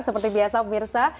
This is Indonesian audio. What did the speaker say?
seperti biasa pemirsa